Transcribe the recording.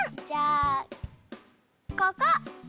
じゃあここ。